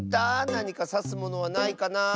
なにかさすものはないかなあ。